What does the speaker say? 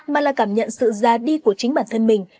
mà là cảm nhận sự ra đi của chính bản thân mình